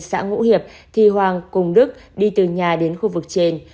xã ngũ hiệp thì hoàng cùng đức đi từ nhà đến khu vực trên